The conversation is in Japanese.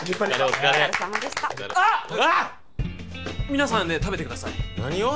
皆さんで食べてください何を？